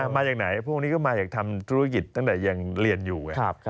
มาจากไหนพวกนี้ก็มาจากทำธุรกิจตั้งแต่ยังเรียนอยู่ไง